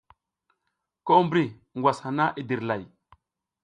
Ko mbri ngwas hana i dirlay.